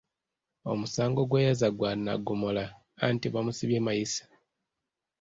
Omusango gwe yazza gwa nagomola anti bamusibye mayisa.